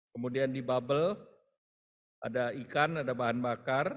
kemudian di bubble ada ikan ada bahan bakar